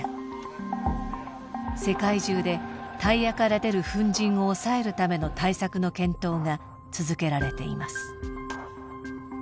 世界中でタイヤから出る粉じんを抑えるための対策の検討が続けられています。